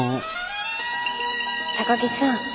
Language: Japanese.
高木さん